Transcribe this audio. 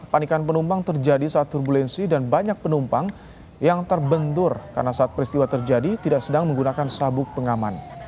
panikan penumpang terjadi saat turbulensi dan banyak penumpang yang terbentur karena saat peristiwa terjadi tidak sedang menggunakan sabuk pengaman